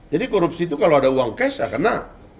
jadi korupsi itu kalau ada uang cash ya kena